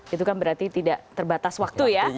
itu kan berarti tidak terbatas waktu ya